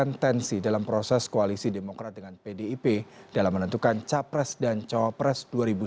dan juga menyebutkan tensi dalam proses koalisi demokrat dengan pdip dalam menentukan capres dan copres dua ribu sembilan belas